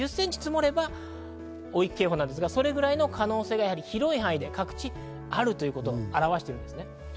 １０センチ積もれば大雪警報なんですが、それぐらいの可能性が広い範囲で各地あるということを表しています。